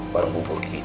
warung bubuk itu